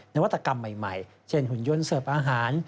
นวัตกรรมใหม่เช่นหุ่นยนต์เสิร์ฟอาหาร